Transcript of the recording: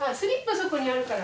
そこにあるから。